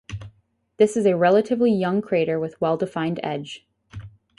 This is a relatively young crater with well-defined edge.